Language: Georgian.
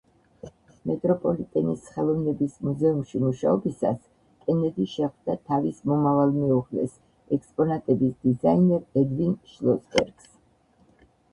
მეტროპოლიტენის ხელოვნების მუზეუმში მუშაობისას კენედი შეხვდა თავის მომავალ მეუღლეს, ექსპონატების დიზაინერ ედვინ შლოსბერგს.